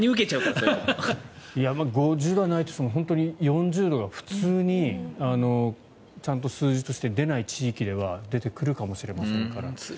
５０度はないにしても本当に４０度が普通に数字として出ない地域では出てくるかもしれませんから。